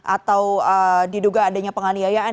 atau diduga adanya penganiayaan